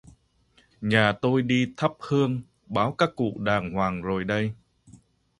Nhà tôi đi thắp Hương báo các cụ đàng hoàng rồi đấy